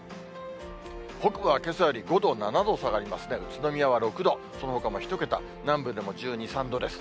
北部はけさより５度、７度下がりますね、宇都宮は６度、そのほかも１桁、南部でも１２、３度です。